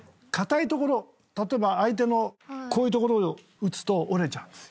硬いところ例えば相手のこういうところを打つと折れちゃう。